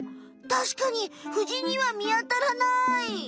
たしかにフジにはみあたらない！